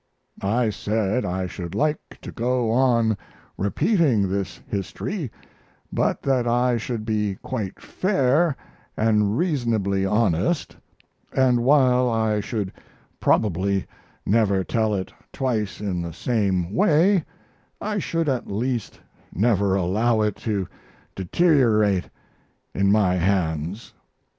I said I should like to go on repeating this history, but that I should be quite fair and reasonably honest, and while I should probably never tell it twice in the same way I should at least never allow it to deteriorate in my hands.